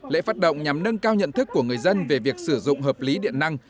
lễ phát động nhằm nâng cao nhận thức của người dân về việc sử dụng hợp lý điện năng